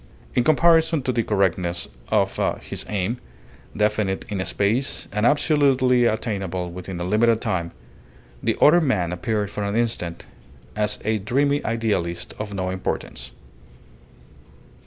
In comparison to the correctness of his aim, definite in space and absolutely attainable within a limited time, the other man appeared for an instant as a dreamy idealist of no importance.